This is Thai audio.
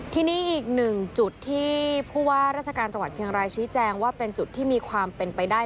ทีนี้อีกหนึ่งจุดที่ผู้ว่าราชการจังหวัดเชียงรายชี้แจงว่าเป็นจุดที่มีความเป็นไปได้